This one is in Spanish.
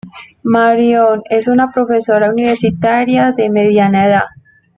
Marion es una profesora universitaria de mediana edad.